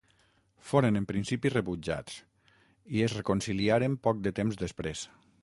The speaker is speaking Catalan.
Foren en principi rebutjats, i es reconciliaren poc de temps després.